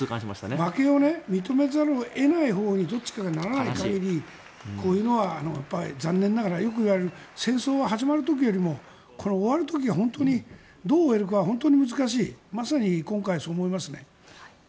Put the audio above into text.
負けを認めざるを得ないほうにどっちかがならない限りこういうのは残念ながらよく言われる、戦争は始まる時よりも終わる時がどう終えるかが難しいまさに今回、そう思いますね。